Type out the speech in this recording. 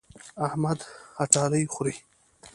احمد اټالۍ خوري.